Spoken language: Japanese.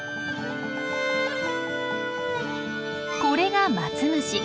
これがマツムシ。